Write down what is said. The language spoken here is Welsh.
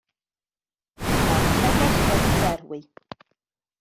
Mae'r tegell wedi berwi.